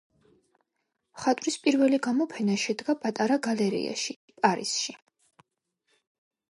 მხატვრის პირველი გამოფენა შედგა პატარა გალერეაში, პარიზში.